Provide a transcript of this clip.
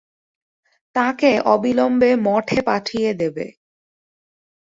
তাঁকে অবিলম্বে মঠে পাঠিয়ে দেবে।